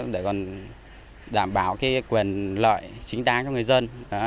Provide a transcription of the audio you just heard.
để còn đảm bảo quyền lợi chính đáng cho người dân